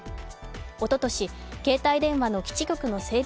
おととし、携帯電話の基地局の整備